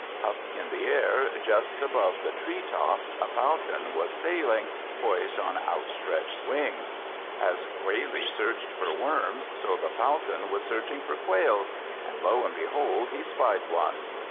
Up in the air, just above the tree tops, a Falcon was sailing, poised on outstretched wings; as Quailie searched for worms, so the Falcon was searching for quails; and lo and behold, he spied one!